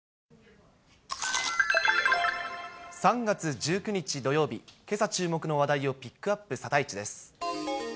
３月１９日土曜日、けさ注目の話題をピックアップ、サタイチです。